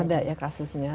ada ya kasusnya